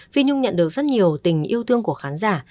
phi nhung nhận được rất nhiều tình yêu thương của khán giả